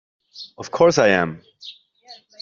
Of course I am!